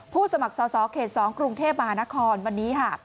ผู้สมัครสอสอเขต๒กรุงเทพมหานครวันนี้